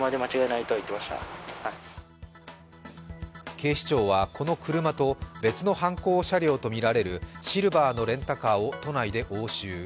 警視庁はこの車と別の犯行車両とみられる、シルバーのレンタカーを都内で押収。